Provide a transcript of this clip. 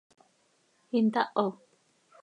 ¿Intaho?